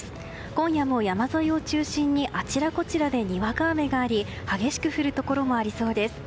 今夜も山沿いを中心にあちらこちらでにわか雨があり激しく降るところもありそうです。